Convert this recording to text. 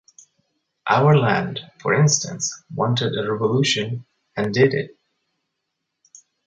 Our land, for instance, wanted a revolution and did t.